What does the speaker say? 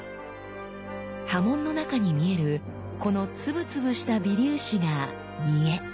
刃文の中に見えるこのツブツブした微粒子が「沸」。